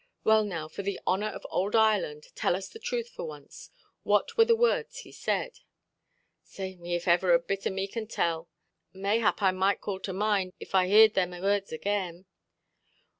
"Well, now, for the honour of old Ireland, tell us the truth for once. What were the words he said"? "Save me if evir a bit of me can tell. Mayhap I might call to mind, if I heerʼd them words agin".